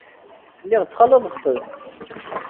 Lliɣ ttxalaḍeɣ-ten.